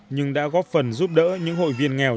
nhưng đã góp phần giúp đỡ những hội viên nghèo